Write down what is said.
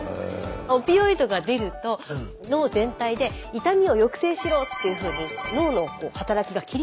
オピオイドが出ると脳全体で痛みを抑制しろっていうふうに脳の働きが切り替わる。